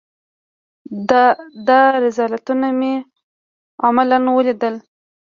دا رذالتونه مې عملاً وليدل.